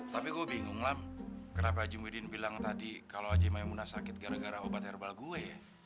tapi gue bingung lah kenapa haji muhyiddin bilang tadi kalau haji maimunah sakit gara gara obat herbal gue ya